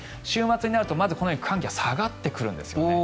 週末になると寒気が下がってくるんですよね。